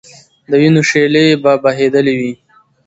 د وینو شېلې به بهېدلې وي.